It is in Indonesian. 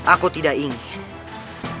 aku tidak ingin